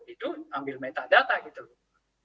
itu ambil metadata gitu loh